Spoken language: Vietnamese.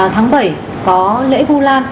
tháng bảy có lễ vu lan